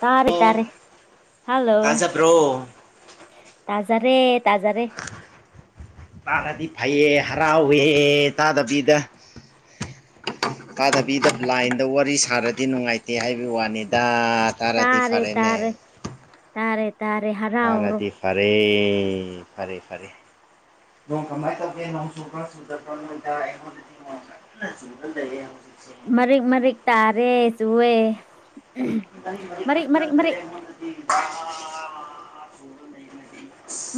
ꯇꯥꯔꯦ ꯇꯥꯔꯦ ꯍꯜꯂꯣ ꯇꯥꯖꯕ꯭ꯔꯣ ꯇꯥꯖꯔꯦ ꯇꯥꯖꯔꯦ ꯇꯥꯔꯗꯤ ꯐꯩꯌꯦ ꯍꯔꯥꯎꯋꯦ ꯇꯥꯗꯕꯤꯗ ꯇꯥꯗꯕꯤꯗ ꯕ꯭ꯂꯥꯏꯟꯗ ꯋꯥꯔꯤ ꯁꯥꯔꯗꯤ ꯅꯨꯡꯉꯥꯏ ꯇꯦ ꯍꯥꯏꯕꯩ ꯋꯥꯅꯤꯗꯥ ꯇꯥꯔꯗꯤ ꯇꯥꯔꯦ ꯐꯔꯦꯅꯦ ꯇꯥꯔꯦ ꯇꯥꯔꯦ ꯇꯥꯔꯦ ꯍꯥꯔ ꯇꯥꯔꯗꯤ ꯐꯔꯦ ꯐꯔꯦ ꯐꯔꯦ ꯅꯣꯡ ꯀꯃꯥꯏ ꯇꯧꯒꯦ ꯅꯣꯡ ꯆꯨꯕ꯭ꯔꯣ ꯆꯨꯗꯕ꯭ꯔꯣ ꯅꯣꯏꯗꯥ ꯑꯩꯉꯣꯟ ꯅꯣꯡ ꯀꯟꯅ ꯆꯨꯔ ꯂꯩꯌꯦ ꯍꯧꯖꯤꯛꯁꯦ ꯃꯔꯤꯛ ꯃꯔꯤꯛ ꯇꯥꯔꯦ ꯆꯨꯋꯦ ꯃꯔꯤꯛ ꯃꯔꯤꯛ ꯈꯛ ꯅꯠꯇ꯭ꯔꯦ ꯑꯩꯉꯣꯟꯗꯗꯤ ꯕꯥ ꯆꯨꯔ ꯂꯩꯈ꯭ꯔꯦꯗꯤ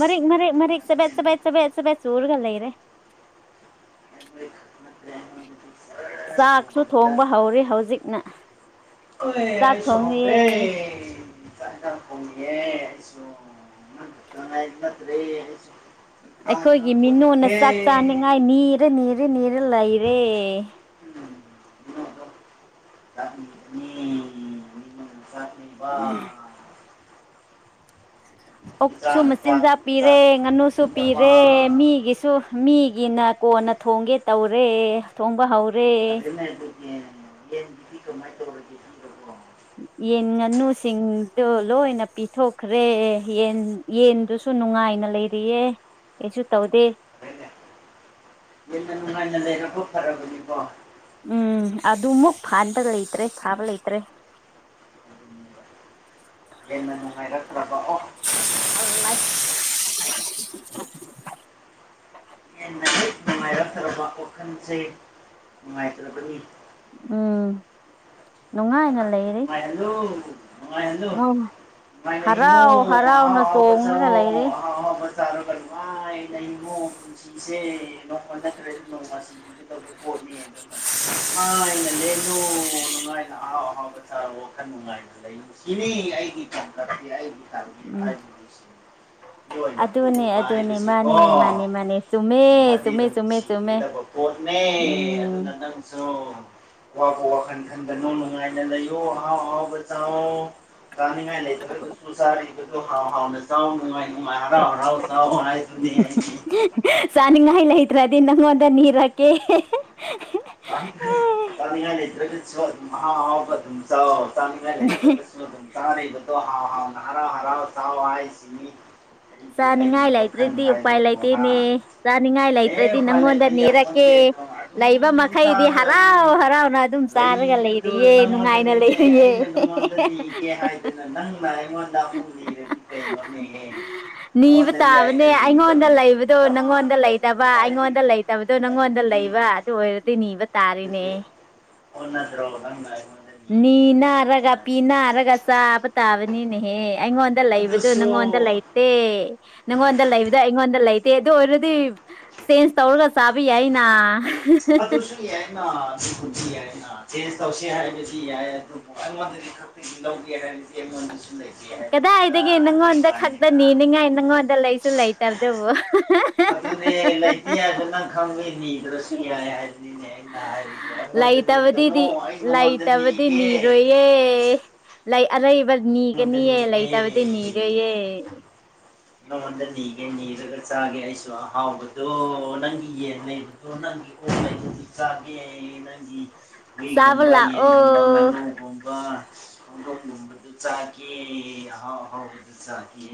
ꯃꯔꯤꯛ ꯃꯔꯤꯛ ꯃꯔꯤꯛ ꯆꯕꯦꯠ ꯆꯕꯦꯠ ꯆꯕꯦꯠ ꯆꯕꯦꯠ ꯆꯨꯔꯒ ꯂꯩꯔꯦ ꯃꯔꯤ ꯃꯔꯤ ꯈꯛ ꯅꯠꯇ꯭ꯔꯦ ꯑꯩꯉꯣꯟꯗꯗꯤ ꯖꯔ ꯆꯥꯛꯁꯨ ꯆꯨꯕꯗꯨꯗ ꯊꯣꯡꯕ ꯍꯧꯔꯦ ꯍꯧꯖꯤꯛꯅ ꯍꯣꯏ ꯆꯥꯛ ꯑꯩꯁꯨ ꯊꯣꯡꯉꯦ ꯍꯥꯎꯈ꯭ꯔꯦ ꯆꯥꯛ ꯏꯟꯖꯥꯡ ꯊꯣꯡꯉꯤꯌꯦ ꯑꯩꯁꯨ ꯅꯪꯈꯛꯇꯪ ꯉꯥꯏꯕ ꯅꯠꯗ꯭ꯔꯦ ꯍꯩꯁꯨ ꯑꯩꯈꯣꯏꯒꯤ ꯃꯤꯅꯨꯅ ꯆꯥꯛ ꯆꯥꯅꯤꯡꯉꯥꯏ ꯅꯤꯔ ꯅꯤꯔ ꯅꯤꯔ ꯂꯩꯔꯦ [inaudible] ꯎꯝ ꯑꯣꯛꯁꯨ ꯃꯆꯤꯟꯖꯥꯛ ꯄꯤꯔꯦ ꯉꯅꯨꯁꯨ ꯄꯤꯔꯦ ꯃꯤꯒꯤꯁꯨ ꯃꯤꯒꯤꯅ ꯀꯣꯟꯅ ꯊꯣꯡꯒꯦ ꯇꯧꯔꯦ ꯊꯣꯡꯕ ꯍꯧꯔꯦ ꯌꯦꯟ ꯌꯦꯟꯒꯤꯗꯤ ꯀꯃꯥꯏ ꯇꯧꯔꯒꯦ ꯈꯪꯗꯕꯣ ꯌꯦꯟ ꯉꯅꯨꯁꯤꯡꯗꯣ ꯂꯣꯏꯅ ꯄꯤꯊꯣꯛꯈ꯭ꯔꯦ ꯌꯦꯟ ꯌꯦꯟꯗꯨꯁꯨ ꯅꯨꯡꯉꯥꯏꯅ ꯂꯩꯔꯤꯌꯦ ꯀꯩꯁꯨ ꯇꯧꯗꯦ ꯌꯦꯟꯅ ꯅꯨꯡꯉꯥꯏꯅ ꯂꯩꯔꯕ ꯐꯔꯕꯅꯤꯀꯣ ꯎꯝ ꯑꯗꯨꯃꯨꯛ ꯐꯥꯟꯕ ꯂꯩꯇ꯭ꯔꯦ ꯐꯕ ꯂꯩꯇ꯭ꯔꯦ ꯍꯦꯟꯅ ꯅꯨꯡꯉꯥꯏꯔꯛꯇ꯭ꯔꯕ ꯑꯣ ꯑꯁ ꯍꯦꯟꯅ ꯍꯦꯛ ꯅꯨꯡꯉꯥꯏꯔꯛꯇ꯭ꯔꯚ ꯋꯥꯈꯟꯁꯦ ꯅꯨꯡꯉꯥꯏꯇ꯭ꯔꯕꯅꯤ ꯎꯝ ꯅꯨꯡꯉꯥꯏꯅ ꯂꯩꯔꯤ ꯉꯥꯏꯍꯜꯂꯨ ꯅꯨꯡꯉꯥꯏꯍꯜꯂꯨ ꯃꯣꯏ ꯅꯨꯡꯉꯥꯏꯅ ꯍꯤꯡꯉꯨ ꯍꯔꯥꯎ ꯑꯍꯥꯎ ꯍꯔꯥꯎꯅ ꯑꯍꯥꯎꯕ ꯆꯣꯡꯉꯒ ꯆꯥꯑꯣ ꯂꯩꯔꯤ ꯑꯍꯥꯎ ꯑꯍꯥꯎꯕ ꯆꯥꯔꯒ ꯅꯨꯡꯉꯥꯏꯅ ꯍꯤꯡꯉꯣ ꯄꯨꯟꯁꯤ ꯁꯤꯁꯦ ꯅꯣꯡꯃ ꯅꯠꯇ꯭ꯔꯗꯤ ꯅꯣꯡꯃ ꯁꯤꯈꯤꯗꯧꯕ ꯄꯣꯠꯅꯦ ꯑꯗꯨꯅ ꯅꯨꯉꯥꯏꯅ ꯂꯦꯜ ꯂꯨ ꯅꯨꯡꯉꯥꯏ ꯑꯍꯥꯎ ꯑꯍꯥꯎꯕ ꯆꯥꯔꯣ ꯋꯥꯈꯟ ꯅꯨꯡꯉꯥꯏꯅ ꯂꯩꯌꯨ ꯁꯤꯅꯤ ꯑꯩꯒꯤ [unintelligible] ꯑꯩꯒꯤ ꯇꯥꯔꯒꯦꯠ ꯎꯝ ꯍꯥꯏꯕꯗꯨ [unintelligible] ꯑꯗꯨꯅꯦ ꯑꯗꯨꯅꯦ ꯃꯥꯅꯦ ꯃꯥꯅꯦ ꯃꯥꯅꯦ ꯆꯨꯝꯃꯦ ꯆꯨꯝꯃꯦ ꯆꯨꯝꯃꯦ ꯆꯨꯝꯃꯦ [unintelligible] ꯄꯣꯠꯅꯦ ꯎꯝ ꯑꯗꯨꯅ ꯅꯪꯖꯨ ꯑꯋꯥꯕ ꯋꯥꯈꯟ ꯈꯟꯒꯅꯨ ꯅꯨꯡꯉꯥꯏ ꯂꯩꯌꯣ ꯑꯍꯥꯎ ꯑꯍꯥꯎꯕ ꯆꯥꯎꯋꯣ ꯆꯥꯅꯤꯉꯥꯏ ꯂꯩꯇ꯭ꯔꯒ ꯆꯥꯔꯤꯕꯗꯣ ꯍꯥꯎ ꯍꯥꯎꯅ ꯆꯥꯎ ꯅꯨꯉꯥꯏ ꯅꯨꯉꯥꯏ ꯍꯔꯥꯎ ꯍꯔꯥꯎ ꯆꯥꯎ ꯍꯥꯏꯗꯨꯅꯦ ꯑꯩꯗꯤ ꯆꯥꯅꯤꯡꯉꯥꯏ ꯂꯩꯇ꯭ꯔꯗꯤ ꯅꯪꯉꯣꯟꯗ ꯅꯤꯔꯛꯀꯦ ꯆꯥꯅꯤꯡꯉꯥꯏ ꯂꯩꯇ꯭ꯔꯒꯖꯨ ꯑꯗꯨꯝ ꯑꯍꯥꯎ ꯑꯍꯥꯎꯕ ꯗꯨꯝ ꯆꯥꯎ ꯆꯥꯅꯤꯉꯥꯏ ꯂꯩꯇ꯭ꯔꯒꯖꯨ ꯗꯨꯝ ꯆꯥꯔꯤꯕꯗꯣ ꯍꯥꯥꯎ ꯍꯥꯎꯅ ꯍꯔꯥꯎ ꯍꯔꯥꯎ ꯆꯥꯎ ꯍꯥꯏꯁꯤꯅꯤ ꯑꯩꯒꯤ ꯑꯩꯒꯤ ꯆꯅꯤꯡꯉꯥꯏ ꯋꯥꯈꯜ ꯂꯩꯇ꯭ꯔꯗꯤ ꯎꯄꯥꯏ ꯍꯥꯏꯕꯕꯨ ꯍꯥ ꯂꯩꯇꯦꯅꯦ ꯆꯥꯅꯤꯡ ꯉꯥꯏ ꯑꯦ ꯂꯩꯇꯔ꯭ꯗꯤ ꯎꯄꯥꯏ ꯅꯪꯉꯣꯟꯗ ꯂꯩꯇ ꯅꯤꯔꯛꯀꯦ ꯌꯥꯄꯣꯟꯇꯦ ꯑꯗꯣ ꯑꯗꯨꯝ ꯂꯩ ꯃꯈꯩꯗꯤ ꯍꯔꯥꯎ ꯆꯥꯒꯗꯕꯅꯤ ꯍꯔꯥꯎꯅ ꯑꯗꯨꯝ ꯆꯥꯔꯒ ꯂꯩꯕꯗꯨ ꯂꯩꯔꯤꯌꯦ ꯅꯨꯡꯉꯥꯏꯅ ꯅꯪꯉꯣꯟꯗꯅꯤꯅꯦ ꯂꯩꯔꯤꯌꯦ ꯑꯩꯅ ꯅꯪꯉꯣꯟꯗ ꯅꯤꯒꯦ ꯍꯥꯏꯗꯅ ꯅꯪꯅ ꯑꯩꯉꯣꯟꯗ ꯑꯃꯨꯛ ꯅꯤꯔꯗꯤ ꯀꯩꯅꯣꯅꯦꯍꯦ ꯅꯤꯕ ꯅꯪꯉꯣꯟꯗꯅꯦ ꯑꯩꯅ ꯇꯥꯕꯅꯦ ꯑꯩꯉꯣꯟꯗ ꯅꯤꯒꯗꯧꯔꯤꯁꯦ ꯂꯩꯕꯗꯣ ꯅꯪꯉꯣꯟꯗ ꯂꯩꯇꯕ ꯀꯗꯥꯏꯗꯒꯤ ꯀꯥꯏꯗꯒꯤ ꯑꯩꯉꯣꯟꯗ ꯂꯩꯇꯕꯗꯣ ꯅꯪꯉꯣꯟꯗ ꯑꯗꯨꯗꯤ ꯂꯩꯕ ꯑꯥ ꯑꯗꯨ ꯑꯣꯏꯔꯗꯤ ꯅꯤꯕ ꯇꯥ ꯑꯣꯟꯅꯗ꯭ꯔꯣ ꯅꯪꯅ ꯑꯩꯉꯣꯟ ꯅꯤꯅꯥꯔꯒ ꯄꯤꯅꯥꯔꯒ ꯆꯥꯕ ꯇꯥꯕꯅꯤꯅꯦꯍꯦ ꯑꯩꯉꯣꯟ ꯗ ꯂꯩꯕꯗꯨ ꯑꯗꯨꯁꯨ ꯅꯪꯉꯣꯟꯗ ꯂꯩꯇꯦ ꯅꯪꯉꯣꯟꯗ ꯂꯩꯕꯗ ꯑꯩꯉꯣꯟꯗ ꯂꯩꯇꯦ ꯑꯗꯨ ꯑꯣꯏꯔꯗꯤ ꯆꯦꯟꯖ ꯇꯧꯔꯒ ꯆꯥꯕ ꯌꯥꯏꯅꯥ ꯑꯗꯨꯁꯨ ꯌꯥꯏꯅ ꯑꯗꯨꯕꯨꯗꯤ ꯌꯥꯏꯅ ꯆꯦꯟꯖ ꯇꯧꯁꯤ ꯍꯥꯏꯔꯒꯗꯤ ꯌꯥꯏ ꯑꯗꯨꯕꯨ ꯑꯩꯉꯣꯟꯗꯗꯤ ꯂꯧꯒꯦ ꯍꯥꯏꯔꯗꯤ ꯑꯩꯉꯣꯟꯗꯖꯨ ꯂꯩ ꯀꯗꯥꯏꯗꯒꯤ ꯅꯪꯉꯣꯟꯗ ꯈꯛꯇ ꯅꯤꯅꯤꯡꯉꯥꯏ ꯅꯪꯉꯣꯟꯗ ꯂꯩꯁꯨ ꯂꯩꯇꯕꯗꯨꯕꯨ ꯑꯗꯨꯅꯦ ꯂꯩꯇꯦ ꯍꯥꯏꯕꯁꯨ ꯅꯪ ꯈꯪꯕꯒꯤ ꯅꯤꯗ꯭ꯔꯥ ꯁꯨ ꯌꯥꯏ ꯍꯥꯏꯕꯅꯤꯅꯦ ꯑꯩꯅ ꯍꯥꯏꯔꯤꯗꯣ ꯑꯩꯉꯣꯟꯗ ꯅꯤꯒꯅꯨ ꯂꯩꯇꯕꯗꯤꯗꯤ ꯂꯩꯇꯕꯗꯤ ꯅꯤꯒꯦ ꯅꯤꯔꯣꯏꯌꯦ ꯂꯩ ꯑꯔꯩꯕ ꯑꯩꯉꯣꯟꯗ ꯅꯤꯒꯅꯤꯌꯦ ꯅꯤꯒꯦ ꯂꯩꯇꯕꯗꯤ ꯅꯤꯔꯣꯏꯌꯦ ꯅꯉꯣꯟꯗ ꯅꯤꯒꯦ ꯅꯤꯔꯒ ꯆꯥꯒꯦ ꯑꯩꯁꯨ ꯑꯍꯥꯎꯕꯗꯣ ꯅꯪꯒꯤ ꯌꯦꯟꯉꯩ ꯑꯗꯣ ꯅꯪꯒꯤ ꯑꯣꯛ ꯂꯩꯕꯁꯨ ꯆꯥꯒꯦ ꯅꯪꯒꯤ ꯆꯥꯕ ꯍꯨꯏꯒꯨꯝꯕ ꯌꯦꯟꯒꯨꯝꯕ ꯂꯥꯛꯑꯣ ꯉꯥꯅꯨꯒꯨꯝꯕ ꯍꯧꯗꯣꯡꯒꯨꯝꯕ ꯗꯨ ꯆꯥꯛꯒꯦ ꯑꯍꯥꯎ ꯑꯍꯥꯎꯕꯗꯨ ꯆꯥꯒꯦ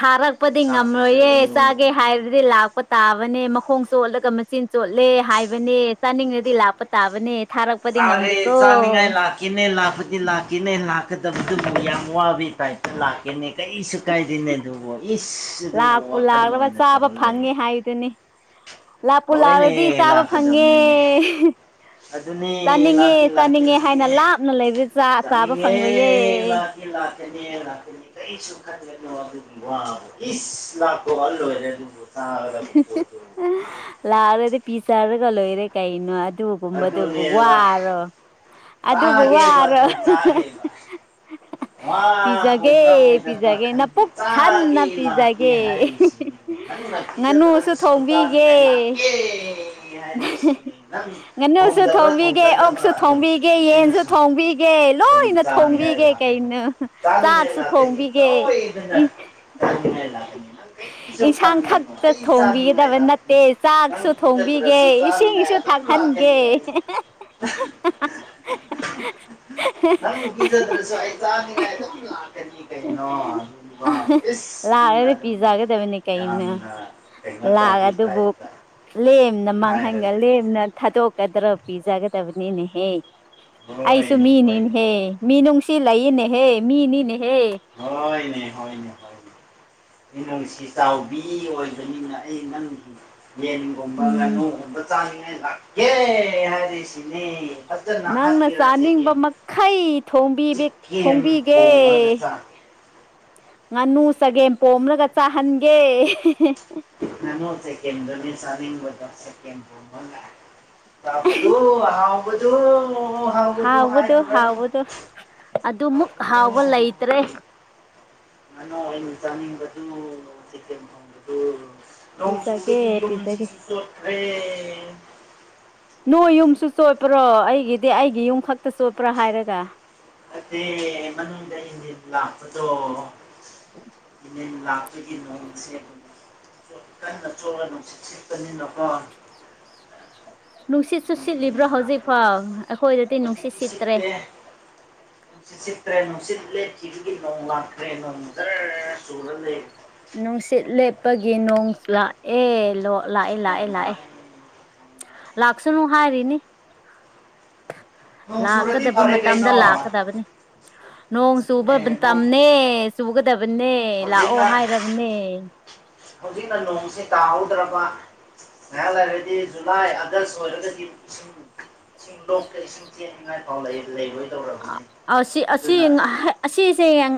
ꯊꯥꯔꯛꯄꯗꯤ ꯆꯥꯛ ꯉꯝꯂꯣꯏꯌꯦ ꯄꯤꯖꯧ ꯆꯥꯒꯦ ꯍꯥꯏꯕꯗꯤ ꯂꯥꯛꯄ ꯇꯥꯕꯅꯦ ꯃꯈꯣꯡ ꯆꯣꯠꯂꯒ ꯃꯆꯤꯟ ꯆꯣꯠꯂꯦ ꯍꯥꯏꯕꯅꯦ ꯆꯥꯅꯤꯡꯉꯗꯤ ꯂꯥꯛꯄ ꯇꯥꯕꯅꯦ ꯊꯥꯔꯛꯄꯗꯤ ꯆꯥꯔꯦ ꯉꯝꯗꯦꯀꯣ ꯆꯥꯅꯤꯡꯉꯥꯏ ꯂꯥꯛꯀꯦꯅꯦ ꯂꯥꯛꯄꯗꯤ ꯂꯥꯛꯀꯦꯅꯦ ꯂꯥꯛꯀꯗꯕꯗꯨꯕꯨ ꯌꯥꯝ ꯋꯥꯕꯩ ꯇꯥꯏꯞ ꯂꯥꯛꯀꯦꯅꯦ ꯀꯩꯔꯤꯁꯨ ꯀꯥꯏꯗꯦꯅꯦ ꯑꯗꯨꯕꯨ ꯏꯁ ꯑꯗꯨꯝ ꯋꯥꯈꯜ ꯑꯣꯏꯅ ꯇꯧꯔ ꯂꯩꯌꯦ ꯍꯥꯥꯏꯗꯨꯅꯤ ꯍꯣꯏꯅꯦ ꯐꯪꯉꯦ ꯂꯥꯛꯀꯗꯕꯅꯤꯅꯦ ꯑꯗꯨꯅꯦ ꯆꯥꯅꯤꯡꯉꯦ ꯂꯥꯛꯀꯦ ꯂꯥꯛꯀꯦ ꯆꯥꯅꯤꯡꯉꯦ ꯂꯥꯛꯀꯦ ꯍꯥꯏꯅ ꯂꯥꯞꯅ ꯂꯩꯕꯗꯤ ꯆꯥ ꯆꯥꯕ ꯆꯥꯅꯤꯡꯉꯦ ꯐꯪꯔꯣꯏꯌꯦ ꯂꯥꯛ ꯂꯥꯛꯀꯅꯦ ꯂꯥꯛꯀꯅꯤ ꯀꯩꯁꯨ ꯈꯟꯒꯅꯨ ꯑꯗꯨꯒꯤ ꯋꯥꯕꯨ ꯏꯁ ꯂꯥꯛꯊꯣꯛꯑ ꯂꯣꯏꯔꯦ ꯑꯗꯨꯕꯨ ꯆꯥꯒꯗꯕ ꯄꯣꯠꯇꯨ ꯂꯥꯛꯔꯗꯤ ꯄꯤꯆꯥꯔꯒ ꯂꯣꯏꯔꯦ ꯀꯩꯅꯣ ꯑꯗꯨ ꯒꯨꯝꯕꯗꯨꯕꯨ ꯑꯗꯨꯅꯦꯕ ꯋꯥꯔꯣ ꯑꯗꯨꯕꯨ ꯆꯥꯒꯦꯕ ꯋꯥꯔꯣ ꯑꯗꯨꯝ ꯆꯥꯒꯦꯕ ꯋꯥ ꯄꯤꯖꯒꯦ ꯑꯣꯏꯕ꯭ꯔꯥ ꯑꯣꯏꯗꯕ꯭ꯔꯥ ꯄꯤꯖꯒꯦ ꯈꯪꯗꯦ ꯅꯄꯨꯛ ꯊꯟꯅ ꯆꯥꯒꯦ ꯂꯥꯛꯀꯦ ꯄꯤꯖꯒꯦ ꯍꯥꯏꯔꯤꯁꯤꯅꯤꯅꯦ ꯅꯪꯅ ꯉꯥꯅꯨꯁꯨ ꯄꯤꯖꯗ꯭ꯔꯒꯁꯨ ꯊꯣꯡꯕꯤꯒꯦ ꯆꯥꯅꯤꯡꯉꯥꯏ ꯂꯥꯛꯀꯦ ꯌꯥꯔꯤꯁꯤꯅꯤ ꯅꯪ ꯉꯥꯅꯨꯁꯨ ꯊꯣꯡꯖꯕ꯭ꯔꯥ ꯊꯣꯡꯕꯤꯒꯦ ꯊꯣꯡꯖꯗꯕ꯭ꯔꯥ ꯑꯣꯛꯁꯨ ꯑꯗꯨꯝ ꯊꯣꯡꯕꯤꯒꯦ ꯌꯦꯟꯁꯨ ꯑꯩꯅꯁꯨ ꯊꯣꯡꯕꯤꯒꯦ ꯑꯗꯨꯝ ꯂꯣꯏꯅ ꯆꯥꯅꯤꯉꯥꯏ ꯊꯣꯡꯕꯤꯒꯦ ꯂꯥꯛꯑꯦ ꯀꯩꯅꯣ ꯆꯥꯅꯤꯡꯉꯥꯏ ꯆꯥꯛꯁꯨ ꯂꯥꯛꯀꯅꯤ ꯊꯣꯡꯕꯤꯒꯦ ꯁꯣꯏꯗꯅ ꯆꯥꯅꯤꯡꯉꯥꯏ ꯂꯥꯛꯀꯅꯤ ꯀꯔꯤꯁꯨ ꯏꯟꯁꯥꯡ ꯈꯟꯒꯅꯨ ꯈꯛꯇ ꯑꯩ ꯆꯥꯅꯤꯡꯉꯥꯏ ꯊꯣꯡꯕꯤꯒꯗꯕ ꯂꯥꯛꯀꯅꯤ ꯅꯠꯇꯦ ꯅꯪ ꯆꯥꯛꯁꯨ ꯊꯣꯡꯕꯤꯒꯦ ꯄꯤꯖꯗ꯭ꯔꯁꯨ ꯆꯥꯅꯤꯡꯉꯥꯏ ꯏꯁꯤꯡꯁꯨ ꯑꯗꯨꯝ ꯊꯥꯛꯍꯟ ꯀꯦ ꯂꯥꯛꯀꯅꯤ ꯑꯩ ꯅꯪ ꯄꯤꯖꯗ꯭ꯔꯁꯨ ꯑꯩ ꯆꯥꯅꯤꯡꯉꯥꯏ ꯑꯗꯨꯝ ꯂꯥꯛꯀꯅꯤ ꯀꯩꯅꯣ ꯋꯥꯕꯨ ꯏꯁ ꯅꯪꯅ ꯑꯗꯨꯝ ꯄꯤꯖꯥꯒꯗꯕꯅꯦ ꯀꯩꯅꯣ ꯌꯥꯝꯅ ꯀꯩꯅꯣ ꯇꯧꯕꯤ ꯂꯥꯛꯑꯗꯨꯕꯨ ꯇꯥꯏꯞꯇ ꯂꯦꯝꯅ ꯍꯥꯏꯔ ꯃꯥꯡꯍꯟꯒ ꯂꯩꯌꯦ ꯂꯦꯝꯅ ꯊꯥꯗꯣꯛꯀꯗ꯭ꯔꯣ ꯄꯤꯖꯒꯗꯕꯅꯤꯅꯦꯍꯦ ꯑꯩꯁꯨ ꯍꯣꯏꯅꯦ ꯍꯣꯏꯅꯦ ꯃꯤꯅꯤꯅꯦꯍꯦ ꯃꯤꯅꯨꯡꯁꯤ ꯂꯩꯌꯦꯅꯦꯍꯦ ꯃꯤꯅꯤꯅꯦꯍꯦ ꯍꯣꯏꯅꯦ ꯍꯣꯏꯅꯦ ꯍꯣꯏꯅꯦ ꯃꯤꯅꯨꯡꯁꯤ ꯆꯥꯎꯕꯤ ꯑꯣꯏꯕꯅꯤꯅ ꯑꯩ ꯅꯪꯒꯤ ꯌꯦꯟꯒꯨꯝꯕ ꯎꯝ ꯉꯥꯅꯨꯒꯨꯝꯕ ꯆꯥꯅꯤꯡꯉꯥꯏ ꯂꯥꯛꯒꯦ ꯍꯥꯏꯔꯤꯁꯤꯅꯤ ꯅꯪꯅ ꯆꯥꯅꯤꯡꯕ ꯃꯈꯩ ꯊꯣꯡꯕꯤꯕꯤꯛ ꯆꯒꯦꯝ ꯊꯣꯡꯕꯤꯒꯦ ꯊꯣꯡꯉꯒ ꯆꯥꯒꯦ ꯉꯥꯅꯨ ꯆꯒꯦꯝ ꯄꯣꯝꯔꯒ ꯆꯥꯍꯟꯒꯦ ꯉꯥꯅꯨ ꯆꯥꯒꯦꯝꯗꯨꯅꯤ ꯆꯥꯅꯤꯡꯕꯗꯣ ꯆꯥꯒꯦꯝꯄꯣꯝꯕ ꯒꯥꯏꯅ ꯍꯥꯎꯕꯗꯣ ꯍꯥꯎꯕꯗꯣ ꯍꯥꯎꯕꯗꯣ ꯍꯥꯎꯕꯗꯣ ꯑꯗꯨꯃꯨꯛ ꯍꯥꯎꯕꯗꯨ ꯍꯥꯎꯕ ꯂꯩꯩꯇ꯭ꯔꯦ ꯅꯅꯥꯎ ꯑꯩꯅ ꯆꯥꯅꯤꯡꯕꯗꯨ ꯆꯥꯒꯦꯝꯄꯣꯝꯕꯗꯨ ꯄꯤꯖꯒꯦ ꯅꯣꯡꯆꯨꯕꯒꯤ ꯄꯤꯖꯒꯦ ꯌꯨꯝꯁꯤꯁꯨ ꯆꯣꯠꯈ꯭ꯔꯦ ꯅꯣꯏ ꯌꯨꯝꯁꯨ ꯆꯣꯠꯄ꯭ꯔꯣ ꯑꯩꯒꯤꯗꯤ ꯑꯩꯒꯤ ꯌꯨꯝ ꯈꯛꯇ ꯆꯣꯠꯄ꯭ꯔꯥ ꯍꯥꯏꯔꯒ ꯅꯠꯇꯦ ꯃꯅꯨꯡꯗ ꯏꯟꯅꯤꯟ ꯂꯥꯛꯄꯗꯣ ꯏꯅꯤꯟ ꯂꯥꯛꯄꯒꯤ ꯅꯣꯡꯁꯦ ꯀꯟꯅ ꯆꯣꯠꯂ ꯅꯨꯡꯁꯤꯠ ꯁꯤꯠꯄꯅꯤꯅꯀꯣ ꯅꯨꯡꯁꯤꯠꯁꯨ ꯅꯨꯡꯊꯤꯟ ꯁꯤꯠꯂꯤꯕ꯭ꯔꯣ ꯂꯥꯛꯄꯒꯤ ꯍꯧꯖꯤꯛꯐꯥꯎ ꯑꯩꯈꯣꯏꯗꯗꯤ ꯍꯧꯖꯤꯛꯇꯤ ꯅꯨꯡꯁꯤꯠ ꯁꯤꯠꯇ꯭ꯔꯦ ꯁꯤꯠꯇꯦ ꯅꯨꯡꯁꯤꯠ ꯁꯤꯠꯇ꯭ꯔꯦ ꯅꯨꯡꯁꯤꯠ ꯂꯦꯞꯈꯤꯕꯒꯤ ꯅꯣꯡ ꯂꯥꯛꯈ꯭ꯔꯦ ꯅꯣꯡ ꯖꯔ ꯆꯨꯔ ꯂꯩꯔꯦ ꯅꯨꯡꯁꯤꯠ ꯂꯦꯞꯄꯒꯤ ꯅꯣꯡ ꯂꯥꯛꯑꯦ ꯂꯣ ꯂꯥꯛꯑꯦ ꯂꯥꯛꯑꯦ ꯂꯥꯛꯑꯦ ꯂꯥꯛꯁꯅꯨ ꯍꯥꯏꯔꯤꯅꯤ ꯅꯣꯡ ꯆꯨꯔꯗꯤ ꯂꯥꯛꯀꯗꯕ ꯐꯔꯦ ꯃꯇꯝꯗ ꯀꯩꯅꯣ ꯂꯥꯛꯀꯗꯕꯅꯤ ꯅꯣꯡ ꯆꯨꯕ ꯑꯗꯨꯅꯦ ꯅꯣꯡ ꯕꯟꯇꯝꯅꯦ ꯆꯨꯒꯗꯕꯅꯦ ꯂꯥꯛꯑꯣ ꯍꯧꯖꯤꯛꯅ ꯍꯥꯏꯔꯕꯅꯦ ꯍꯧꯖꯤꯛꯅ ꯅꯣꯡꯁꯦ ꯇꯥꯍꯧꯗ꯭ꯔꯕ ꯉꯥꯏꯍꯥꯛ ꯂꯩꯔꯗꯤ ꯖꯨꯂꯥꯏ ꯑꯥꯒꯁ ꯑꯣꯏꯔꯒꯗꯤ ꯁꯤꯡ ꯂꯣꯛꯇ ꯏꯁꯤꯡ ꯆꯦꯟꯅꯤꯡꯉꯥꯏ ꯐꯥꯎ ꯂꯩ ꯂꯩꯔꯣꯏ ꯑ ꯑꯁꯤ ꯑꯁꯤ ꯍꯩ ꯑꯁꯤꯁꯦ ꯌꯦꯡ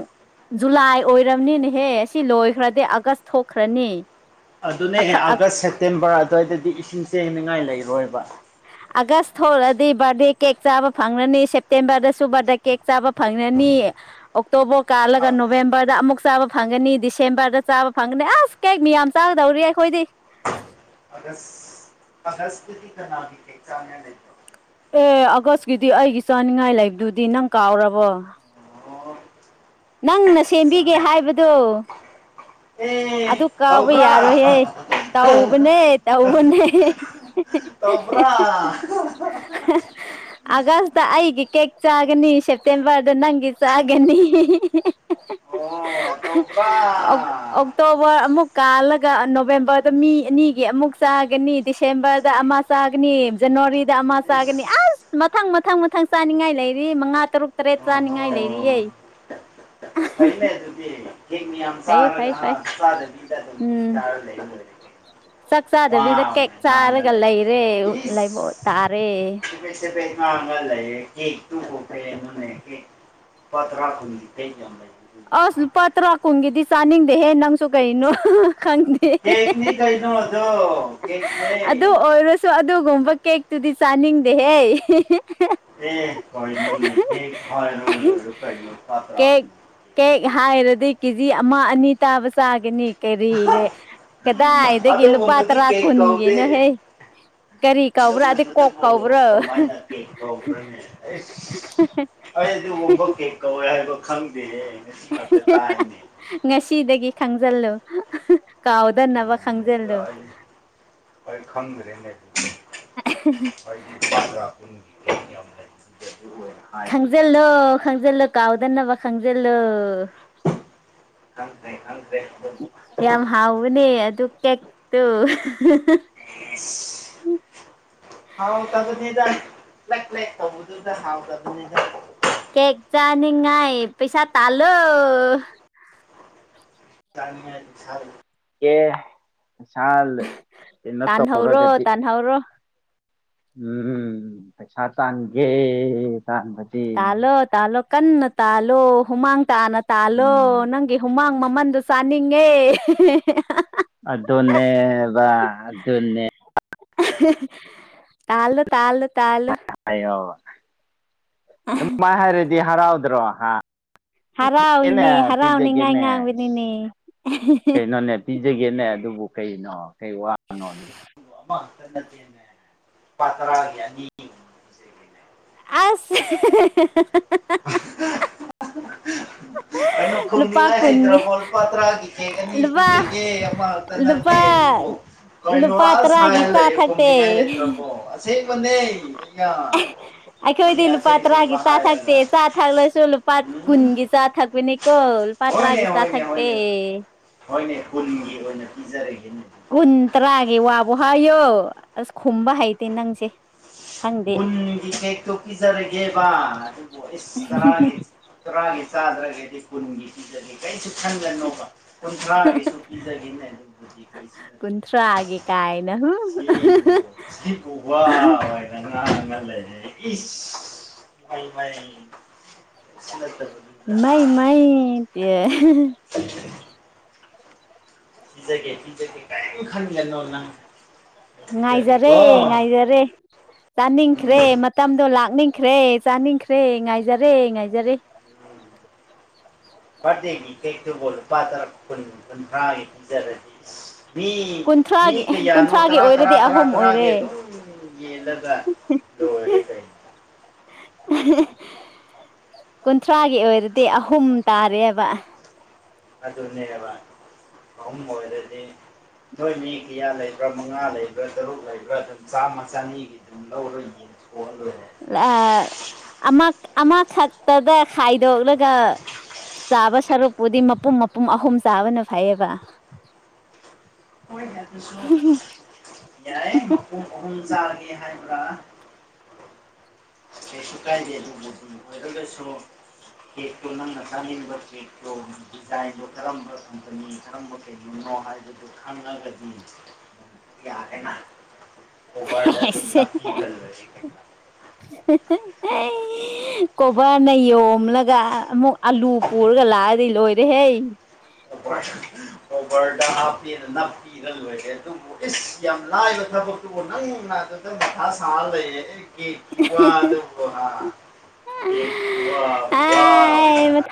ꯖꯨꯂꯥꯏ ꯑꯣꯏꯔꯝꯅꯤꯅꯦꯍꯦ ꯁꯤ ꯂꯣꯏꯈ꯭ꯔꯗꯤ ꯑꯥꯒꯁ ꯊꯣꯛꯈ꯭ꯔꯅꯤ ꯑꯗꯨꯅꯦ ꯑꯦ ꯑꯥꯒꯁ ꯁꯦꯞꯇꯦꯝꯕꯔ ꯑꯗ꯭ꯋꯥꯏꯗꯗꯤ ꯏꯁꯤꯡ ꯆꯦꯅꯤꯉꯥꯏ ꯂꯩꯔꯣꯏꯕ ꯑꯥꯒꯁ ꯊꯣꯛꯂꯗꯤ ꯕꯥꯔꯗꯦ ꯀꯦꯛ ꯆꯥꯕ ꯐꯪꯔꯅꯤ ꯁꯦꯞꯇꯦꯝꯕꯔꯗꯁꯨ ꯕꯔꯗꯦ ꯀꯦꯛ ꯆꯥꯕ ꯐꯪꯔꯅꯤ ꯑꯣꯛꯇꯣꯕꯔ ꯑ ꯀꯥꯜꯂꯒ ꯅꯣꯕꯦꯝꯕꯔꯗ ꯑꯃꯨꯛ ꯆꯥꯕ ꯐꯪꯒꯅꯤ ꯗꯤꯁꯦꯝꯕꯔꯗ ꯆꯥꯕ ꯐꯪꯒꯅꯤ ꯑꯁ ꯀꯦꯛ ꯃꯤꯌꯥꯝ ꯆꯥꯒꯗꯧꯔꯤ ꯑꯩꯈꯣꯏꯗꯤ ꯑꯥꯒꯁ ꯑꯥꯒꯁꯗꯗꯤ ꯀꯅꯥꯒꯤ ꯀꯦꯛ ꯆꯥꯅꯤꯉꯥꯏ ꯂꯩꯕꯣ ꯑꯦ ꯑꯥꯒꯁꯀꯤꯗꯤ ꯑꯩꯒꯤ ꯆꯥꯅꯤꯡꯉꯥꯏ ꯂꯩꯕꯗꯨꯗꯤ ꯅꯪ ꯀꯥꯎꯔꯕꯣ ꯑꯣ ꯅꯪꯅ ꯁꯦꯝꯕꯤꯒꯦ ꯍꯥꯏꯕꯗꯣ ꯑꯦ ꯑꯗꯨ ꯀꯥꯎꯕ ꯇꯧꯕ꯭ꯔꯥ ꯌꯥꯔꯣꯏꯍꯦ ꯇꯧꯕꯅꯦ ꯇꯧꯕꯅꯦ ꯍꯦ ꯍꯦ ꯇꯧꯕ꯭ꯔꯥ ꯍꯦ [unintelligible] ꯑꯥꯒꯁꯇ ꯑꯩꯒꯤ ꯀꯦꯛ ꯆꯥꯒꯅꯤ ꯁꯦꯞꯇꯦꯝꯕꯔꯗ ꯅꯪꯒꯤ ꯆꯥꯒꯅꯤ ꯍꯦ ꯑꯣ ꯍꯦ ꯇꯧꯕ꯭ꯔꯥ [unintelligible] ꯑꯁ ꯇꯣꯕꯔ ꯑꯃꯨꯛ ꯀꯥꯜꯂꯒ ꯅꯣꯕꯦꯝꯕꯔꯗ ꯃꯤ ꯑꯅꯤꯒꯤ ꯑꯃꯨꯛ ꯆꯥꯒꯅꯤ ꯗꯤꯁꯦꯝꯕꯔꯗ ꯑꯃ ꯆꯥꯒꯅꯤ ꯖꯅ꯭ꯋꯥꯔꯤꯗ ꯑꯃ ꯆꯥꯒꯅꯤ ꯏꯁ ꯑꯁ ꯃꯊꯪ ꯃꯊꯪ ꯃꯊꯪ ꯆꯥꯅꯤꯡꯉꯥꯏ ꯂꯩꯔꯤ ꯃꯉꯥ ꯇꯔꯨꯛ ꯇꯔꯦꯠ ꯆꯥꯅꯤꯡꯉꯥꯏ ꯂꯩꯔꯤꯑꯦ ꯑꯣꯍꯣ ꯐꯩꯅꯦ ꯗꯨꯗꯤ ꯀꯦꯛ ꯃꯌꯥꯝ ꯐꯩ ꯐꯩ ꯆꯥꯔꯒ ꯍꯥ ꯐꯩ ꯆꯥꯗꯕꯤ ꯑꯗꯨꯝ ꯎꯝ ꯆꯥꯔ ꯂꯣꯏꯔꯦ ꯀꯩꯅꯣ ꯆꯥꯛ ꯋꯥ ꯆꯥꯗꯕꯤꯗ ꯀꯦꯛ ꯑꯣꯏꯅ ꯉꯥꯡꯉ ꯆꯥꯔꯒ ꯂꯩꯔꯤꯁꯤ ꯂꯩꯔꯦ ꯂꯩꯕꯣ ꯏꯁ ꯇꯥꯔꯦ ꯆꯕꯦꯠ ꯆꯕꯦꯠ ꯉꯥꯡꯉ ꯂꯩꯔꯦ ꯀꯦꯛ ꯇꯨ [unintelligible] ꯄꯥ ꯇ꯭ꯔꯥ ꯀꯨꯟꯒꯤ ꯀꯩ ꯌꯥꯝ ꯂꯩ ꯑꯁ ꯂꯨꯄꯥ ꯇꯔꯥ ꯀꯨꯟꯒꯤꯗꯤ ꯆꯥꯅꯤꯡꯗꯦꯍꯦ ꯅꯪꯁꯨ ꯀꯩꯅꯣ ꯍ ꯍ ꯈꯪꯗꯦ ꯍꯦ ꯍꯦ ꯀꯦꯛꯅꯤ ꯍꯦ ꯀꯩꯅꯣ ꯑꯗꯣ ꯀꯦꯛꯅꯦ ꯑꯗꯨ ꯑꯣꯏꯔ ꯆꯨ ꯑꯗꯨꯒꯨꯝꯕ ꯀꯦꯛꯇꯨꯗꯤ ꯆꯥꯅꯤꯡꯗꯦꯍꯦ ꯍꯦ ꯍꯦ ꯍꯦ ꯀꯦꯛ [unintelligible] ꯀꯦꯛ ꯍꯥꯏꯔꯗꯤ ꯀꯦꯖꯤ ꯑꯃ ꯑꯅꯤ ꯇꯥꯕ ꯆꯥꯒꯅꯤ ꯀꯔꯤꯒꯤ ꯀꯗꯥꯏꯗꯒꯤ ꯂꯨꯄꯥ ꯇꯔꯥ ꯀꯨꯟꯒꯤꯅꯣꯍꯦ ꯀꯔꯤ ꯀꯧꯕ꯭ꯔ ꯑꯗꯤ ꯀꯣꯛ ꯀꯧꯕ꯭ꯔꯣ ꯍ ꯍ ꯍ ꯑꯩꯖꯨ ꯃꯨꯝꯕ ꯀꯦꯛ ꯀꯧꯋꯦ ꯍꯥꯏꯕ ꯈꯪꯗꯦꯍꯦ ꯉꯁꯤ ꯈꯛꯇ ꯇꯥꯏꯅꯦ ꯉꯁꯤꯗꯒꯤ ꯈꯪꯖꯜꯂꯨ ꯑꯍ ꯀꯥꯎꯗꯅꯕ ꯈꯪꯖꯜꯂꯨ ꯑꯩ ꯈꯪꯗ꯭ꯔꯦꯅꯦ ꯑꯍꯦ ꯍꯦ [unintelligible] ꯈꯪꯖꯜꯂꯣ ꯈꯪꯖꯜꯂꯣ ꯀꯥꯎꯗꯅꯕ ꯈꯪꯖꯜꯂꯣ ꯌꯥꯝ ꯍꯥꯎꯕꯅꯦ ꯑꯗꯨ ꯀꯦꯛꯇꯨ ꯍ ꯍ [unintelligible] ꯍꯥꯎꯇꯕꯅꯤꯗꯥ ꯂꯦꯛ ꯂꯦꯛ ꯇꯧꯕꯗꯨꯗ ꯍꯥꯎꯇꯕꯅꯤꯗꯥ ꯀꯦꯛ ꯆꯥꯅꯤꯡꯉꯥꯏ ꯄꯩꯁꯥ ꯇꯥꯜꯂꯣ ꯆꯥꯅꯤꯡꯉꯥꯏ ꯄꯩꯁꯥ ꯂꯩ ꯀꯦ ꯄꯩꯁꯥ ꯂ ꯀꯩꯅꯣ ꯇꯥꯟꯍꯧꯔꯣ ꯇꯧꯕꯒꯥꯗꯤ ꯇꯥꯟꯍꯧꯔꯣ ꯎꯝ ꯄꯩꯁꯥ ꯇꯥꯟꯒꯦ ꯇꯥꯟꯕꯟ ꯇꯥꯂꯣ ꯇꯥꯂꯣ ꯀꯟꯅ ꯇꯥꯂꯣ ꯍꯨꯃꯥꯡ ꯇꯥꯅ ꯇꯥꯜꯂꯣ ꯎꯝ ꯅꯪꯒꯤ ꯍꯨꯃꯥꯡ ꯃꯃꯟꯗꯣ ꯆꯥꯅꯤꯡꯉꯦ ꯍꯦꯍꯥꯍꯥꯍꯥ ꯑꯗꯨꯅꯦꯕ ꯑꯗꯨꯅꯦ ꯑꯍꯦꯍꯦ ꯇꯥꯜꯂꯣ ꯇꯥꯜꯂꯣ ꯇꯥꯜꯂꯣ ꯍꯥꯏꯌꯣꯕ ꯗꯨꯃꯥꯏ ꯍꯥꯏꯔꯗꯤ ꯍꯔꯥꯎꯗ꯭ꯔꯣ ꯍꯥ ꯄꯤꯖꯥꯒꯦꯅꯦ ꯍꯔꯥꯎꯏꯅꯦ ꯍꯔꯥꯎꯅꯤꯉꯥꯏ ꯄꯤꯖꯥꯒꯦꯅꯦ ꯏꯁ ꯉꯥꯡꯕꯅꯤꯅꯦ ꯀꯩꯅꯣꯅꯦ ꯄꯤꯖꯥꯒꯦꯅꯦ ꯑꯗꯨꯕꯨ ꯀꯩꯅꯣ ꯀꯩ ꯋꯥꯅꯣ ꯑꯗꯨꯕꯨ ꯑꯃꯈꯇꯥ ꯅꯠꯇꯦꯅꯦ ꯂꯨꯄꯥ ꯇꯔꯥꯒꯤ ꯑꯅꯤ ꯄꯤꯖꯒꯦꯅꯦ ꯑꯁ ꯍꯦꯍꯥꯍꯥꯍꯥꯍꯥꯍꯥꯍꯥ [unintelligible] ꯀꯩꯅꯣ ꯂꯨꯄꯥ ꯈꯨꯝꯅꯤꯡꯉꯥꯏ ꯀꯨꯟꯒꯤ ꯂꯩꯇ꯭ꯔꯕꯣ ꯂꯨꯄꯥ ꯇꯔꯥꯒꯤ ꯀꯦꯛ ꯑꯅꯤ ꯂꯨꯄꯥ ꯄꯤꯖꯒꯦ ꯑꯃ ꯀꯩꯝꯇ ꯅꯠꯇꯦ ꯂꯨꯄꯥ ꯑꯗꯨꯕꯨ ꯀꯩꯅꯣ ꯂꯨꯄꯥ ꯑꯁ ꯇꯔꯥꯒꯤ ꯍꯥꯏꯔꯥ ꯆꯥ ꯂꯩꯌꯦ ꯊꯛꯇꯦ ꯈꯨꯝꯅꯤꯡꯉꯥꯏ ꯂꯩꯇ꯭ꯔꯕꯣ ꯑꯁ ꯑꯁꯦꯡꯕꯅꯦ ꯑꯌꯥ ꯃꯤ ꯑꯩꯈꯣꯏꯗꯤ ꯂꯨꯄꯥ ꯑꯁꯦꯡ ꯑꯁꯦꯡꯕ ꯇꯔꯥꯒꯤ ꯆꯥ ꯊꯛꯇꯦ ꯍꯥꯏꯔꯒꯥ ꯆꯥ ꯊꯛꯂꯁꯨ ꯂꯨꯄꯥ ꯀꯨꯟꯒꯤ ꯆꯥ ꯊꯛꯄꯥꯅꯤꯀꯣ ꯂꯨꯄꯥ ꯍꯣꯏꯅꯦ ꯇꯔꯥꯒꯤ ꯆꯥ ꯍꯣꯏꯅꯦ ꯊꯛꯇꯦ ꯍꯣꯏꯅꯦ ꯍꯣꯏꯅꯦ ꯀꯨꯟꯒꯤ ꯑꯣꯏꯅ ꯄꯤꯖꯔꯒꯦꯅꯦ ꯀꯨꯟ ꯇꯔꯥꯒꯤ ꯋꯥꯕꯨ ꯍꯥꯏꯌꯣ ꯑꯁ ꯈꯨꯝꯕ ꯍꯩꯇꯦ ꯅꯪꯁꯦ ꯈꯪꯗꯦ ꯀꯨꯟꯒꯤ ꯀꯦꯛꯇꯣ ꯄꯤꯖꯔꯒꯦꯕ ꯑꯗꯨꯕꯨ ꯏꯁ ꯇꯔꯥꯒꯤ ꯇꯔꯥꯒꯤ ꯆꯥꯗ꯭ꯔꯒꯗꯤ ꯀꯨꯟꯒꯤ ꯄꯤꯖꯒꯦ ꯀꯩꯅꯣ ꯈꯟꯒꯅꯣꯕ ꯀꯨꯟꯊ꯭ꯔꯥꯒꯤꯁꯨ ꯄꯤꯖꯒꯦꯅꯦ ꯑꯗꯨꯕꯨꯗꯤ ꯀꯩꯁꯨ ꯀꯨꯟꯊ꯭ꯔꯥꯒꯤ ꯀꯥꯏꯅ ꯁꯤꯕꯨ ꯁꯤꯕꯨ ꯋꯥꯑꯣꯏ ꯅ ꯉꯥꯡꯉ ꯂꯩꯔꯦ ꯏꯁ ꯃꯩꯃꯩ ꯏꯃꯩ ꯏꯃꯩ ꯇꯦ ꯄꯤꯖꯒꯦ ꯄꯤꯖꯒꯦ ꯀꯩꯝ ꯈꯟꯒꯅꯣ ꯅꯪ ꯉꯥꯏꯖꯔꯦ ꯄꯤꯖꯒꯦꯀꯣ ꯉꯥꯏꯖꯔꯦ ꯎꯝ ꯆꯥꯅꯤꯡꯈ꯭ꯔꯦ ꯃꯇꯝꯗꯣ ꯂꯥꯛꯅꯤꯡꯈ꯭ꯔꯦ ꯆꯥꯅꯤꯡꯈ꯭ꯔꯦ ꯉꯥꯏꯖꯔꯦ ꯉꯥꯏꯖꯔꯦ ꯕꯥꯔꯗꯦꯒꯤ ꯀꯦꯛꯇꯨꯕꯨ ꯂꯨꯄꯥ ꯇꯔꯥ ꯀꯨꯟ ꯀꯨꯟꯊ꯭ꯔꯥꯥ ꯒꯤ ꯄꯤꯖꯔꯗꯤ ꯏꯁ ꯃꯤ ꯃꯤ ꯀꯨꯟꯊ꯭ꯔꯥꯒꯤ ꯀꯩꯌꯥꯅꯣ ꯀꯨꯟꯊ꯭ꯔꯥꯒꯤ ꯇꯔꯥ ꯇꯔꯥ ꯑꯣꯏꯔꯗꯤ ꯇꯔꯥ ꯑꯍꯨꯝ ꯇꯔꯥꯒꯤ ꯑꯣꯏꯔꯦ ꯑꯗꯨꯝ ꯌꯦꯜꯂꯒꯥ ꯂꯣꯏꯔꯦ ꯀꯩꯅꯣ [unintelligible] ꯀꯨꯟꯊ꯭ꯔꯥꯒꯤ ꯑꯣꯏꯔꯗꯤ ꯑꯍꯨꯝ ꯇꯥꯔꯦꯕ ꯑꯗꯨꯅꯦꯕ ꯑꯍꯨꯝ ꯑꯣꯏꯔꯗꯤ ꯅꯣꯏ ꯃꯤ ꯀꯌꯥ ꯂꯩꯕ꯭ꯔꯥ ꯃꯉꯥ ꯂꯩꯕ꯭ꯔꯥ ꯇꯔꯨꯛ ꯂꯩꯕ꯭ꯔꯥ ꯑꯗꯨꯝ ꯆꯥꯝꯃ ꯆꯅꯤꯒꯤ ꯗꯨꯝ ꯂꯧꯔꯥ ꯌꯦꯟꯊꯣꯛꯑ ꯂꯣꯏꯔꯦ ꯂꯥ ꯑꯃ ꯑꯃꯈꯛꯇꯗ ꯈꯥꯏꯗꯣꯛꯂꯒ ꯆꯥꯕ ꯁꯔꯨꯛꯄꯨꯗꯤ ꯃꯄꯨꯝ ꯃꯄꯨꯝ ꯑꯍꯨꯝ ꯆꯥꯕꯅ ꯐꯩꯌꯦꯕ ꯍꯣꯏꯅꯦ ꯑꯗꯨꯁꯨ ꯌꯥꯏ ꯃꯄꯨꯝ ꯑꯍꯨꯝ ꯆꯥꯒꯦ ꯍꯥꯏꯕ꯭ꯔꯥ ꯀꯩꯁꯨ ꯀꯥꯏꯗꯦ ꯑꯗꯨꯕꯨꯗꯤ ꯑꯣꯏꯔꯒꯁꯨ ꯀꯦꯛꯇꯣ ꯅꯪꯅ ꯆꯥꯅꯤꯡꯕ ꯀꯦꯛꯇꯣ ꯗꯤꯖꯥꯏꯟꯗꯣ ꯀꯔꯝꯕ ꯀꯝꯄꯅꯤ ꯈꯪꯕ ꯀꯩꯒꯤꯅꯣ ꯍꯥꯏꯕꯗꯨ ꯈꯪꯉꯒꯗꯤ ꯌꯥꯔꯦꯅ ꯀꯣꯕꯔꯗ ꯑꯗꯨꯝ ꯅꯄꯄꯤꯍꯜꯂꯥꯒꯦ ꯀꯩꯅꯣ ꯍꯦꯍꯦ ꯍꯩ ꯀꯣꯕꯔꯅ ꯌꯣꯝꯂꯒ ꯑꯃꯨꯛ ꯑꯂꯨ ꯄꯨꯔꯒ ꯂꯥꯛꯑꯗꯤ ꯂꯣꯏ ꯔꯦꯍꯩ ꯀꯣꯕꯔꯗ ꯀꯣꯕꯔꯗꯥ ꯍꯥꯞꯄꯤꯔ ꯅꯞꯄꯤ ꯄꯤꯔ ꯂꯣꯏꯔꯦ ꯑꯗꯨꯕꯨ ꯏꯁ ꯌꯥꯝ ꯂꯥꯏꯕ ꯊꯕꯛꯇꯨꯕꯨ ꯅꯪꯅꯥ ꯑꯗꯨꯗ ꯃꯊꯥ ꯁꯥꯔ ꯂꯩꯌꯦ ꯑꯩ ꯀꯦꯛꯀꯤ ꯋꯥꯗꯕꯨ ꯍꯥ ꯀꯦꯛꯀꯤ ꯋꯥꯕꯨ ꯑꯥꯏ ꯃꯊꯥ ꯆꯥꯑꯣꯏꯅ